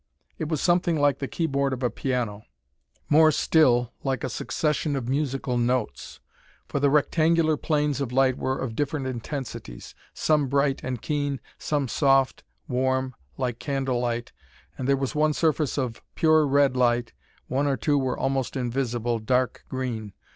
It was something like the keyboard of a piano: more still, like a succession of musical notes. For the rectangular planes of light were of different intensities, some bright and keen, some soft, warm, like candle light, and there was one surface of pure red light, one or two were almost invisible, dark green.